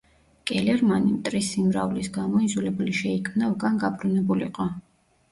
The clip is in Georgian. კელერმანი, მტრის სიმრავლის გამო, იძულებული შეიქმნა უკან გაბრუნებულიყო.